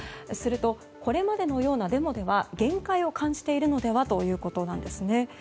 するとこれまでのようなデモでは限界を感じているのではということなんです。